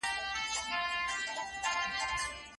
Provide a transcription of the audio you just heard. جلغوزي ارزان نه دي.